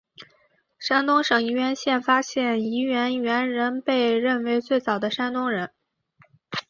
山东省沂源县发现的沂源猿人被认为是最早的山东人。